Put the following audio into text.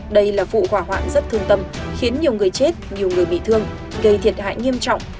đây là vụ hỏa hoạn rất thương tâm khiến nhiều người chết nhiều người bị thương gây thiệt hại nghiêm trọng